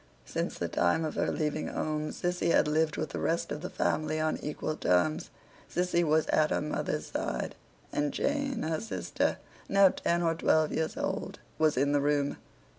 Since the time of her leaving home, Sissy had lived with the rest of the family on equal terms. Sissy was at her mother's side; and Jane, her sister, now ten or twelve years old, was in the room.